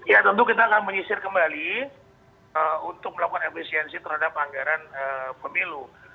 ya tentu kita akan menyisir kembali untuk melakukan efisiensi terhadap anggaran pemilu